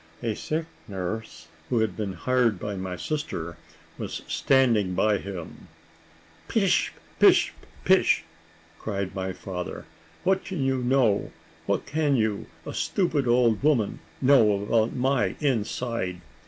A sick nurse, who had been hired by my sister, was standing by him. "Pish, pish, pish, pish!" cried my father; "what can you, a stupid old woman, know about my inside?